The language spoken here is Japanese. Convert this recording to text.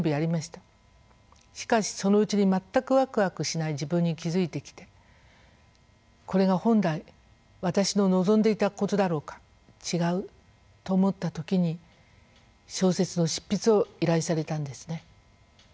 しかしそのうちに全くわくわくしない自分に気付いてきて「これが本来私の望んでいたことだろうか違う！」と思った時に小説の執筆を依頼されたんですね。